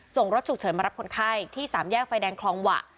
ส่งรถฉุกเฉินมารับคนไข้ที่สามแยกไฟแดงคลองหวะ